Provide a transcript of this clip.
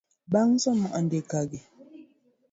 Bang somo andikegi